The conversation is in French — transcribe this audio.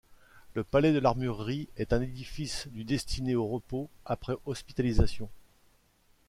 Le palais de l’Armurerie est un édifice du destiné au repos après hospitalisation.